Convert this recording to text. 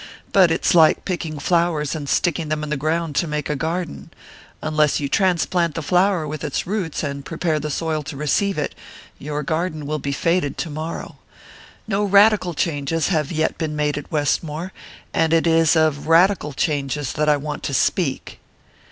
But it's like picking flowers and sticking them in the ground to make a garden unless you transplant the flower with its roots, and prepare the soil to receive it, your garden will be faded tomorrow. No radical changes have yet been made at Westmore; and it is of radical changes that I want to speak."